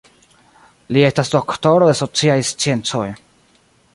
Li estas doktoro de sociaj sciencoj.